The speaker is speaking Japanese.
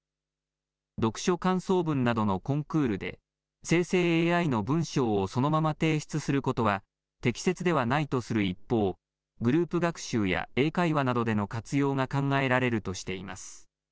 読書感想文などのコンクールで生成ＡＩの文章をそのまま提出することは適切ではないとする一方、グループ学習や英会話などでの活用が考えられるとしています。